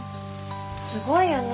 すごいよね。